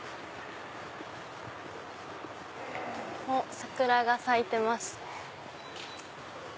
あっ桜が咲いてますね。